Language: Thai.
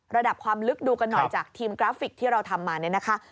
ระดับความลึกดูกันหน่อยจากทีมกราฟิกที่เราทำมาเนี่ยนะคะ